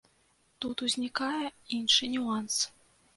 Тут узнікае іншы нюанс.